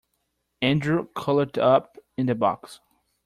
Andrew curled up in the box.